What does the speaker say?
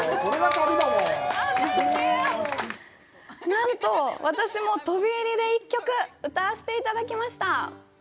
なんと、私も飛び入りで一曲、歌わせていただきました！